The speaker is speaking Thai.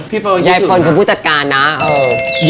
พี่เฟิร์คิดถึงมั้งยายฟลานคือผู้จัดการนะเออ